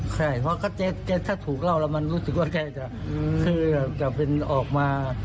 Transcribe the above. ใช่เพราะถ้าถูกเล่าแล้วมันรู้สึกว่าแกจะคือจะเป็นออกมา